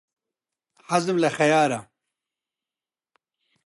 حەزم لە خەیارە.